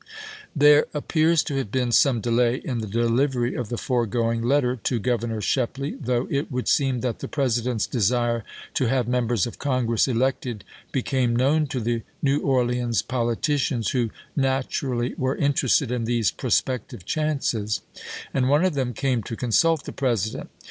l There appears to have been some delay in the delivery of the foregoing letter to Governor Shep ley, though it would seem that the President's de sire to have Members of Congress elected became known to the New Orleans politicians, who natu rally were interested in these prospective chances ; and one of them came to consult the President.